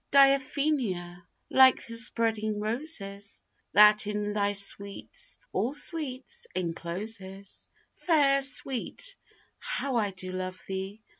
Diaphenia, like the spreading roses, That in thy sweets all sweets encloses, Fair sweet, how I do love thee!